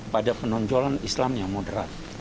pada penonjolan islam yang moderat